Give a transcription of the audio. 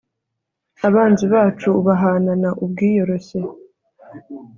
abanzi bacu ubahanana ubwiyoroshye